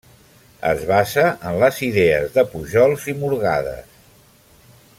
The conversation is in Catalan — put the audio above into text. Es basa en les idees de Pujols i Morgades.